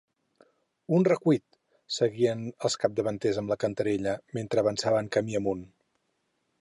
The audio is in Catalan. Un recuit! —seguien els capdavanters amb la cantarella, mentre avançaven camí amunt.